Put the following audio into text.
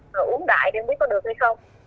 rồi uống đại đi không biết có được hay không